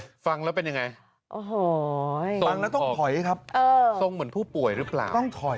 โอ้โหฟังแล้วเป็นอย่างไรฟังแล้วต้องถอยครับต้องถอยเออต้องเหมือนผู้ป่วยรึเปล่า